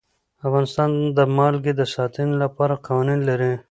افغانستان د نمک د ساتنې لپاره قوانین لري.